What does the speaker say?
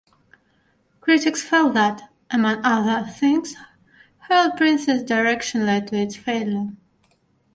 Critics felt that, among other things, Harold Prince's direction led to its failure.